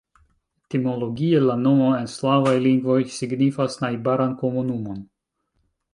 Etimologie la nomo en slavaj lingvoj signifas najbaran komunumon.